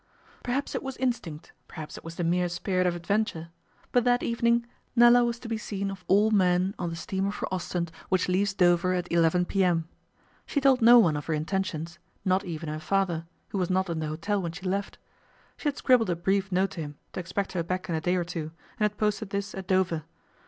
Perhaps it was instinct, perhaps it was the mere spirit of adventure; but that evening Nella was to be seen of all men on the steamer for Ostend which leaves Dover at 11 p.m. She told no one of her intentions not even her father, who was not in the hotel when she left. She had scribbled a brief note to him to expect her back in a day or two, and had posted this at Dover.